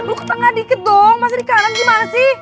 lo ketengah dikit dong masih di kanan gimana sih